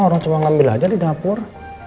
orang cuma ngambil aja di dapur